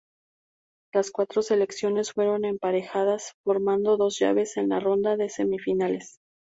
Las cuatro selecciones fueron emparejadas, formando dos llaves en la ronda de semifinales.